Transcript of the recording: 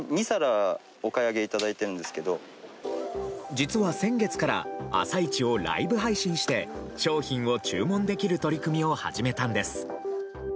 実は先月から朝市をライブ配信して商品を注文できる取り組みを始めたんです。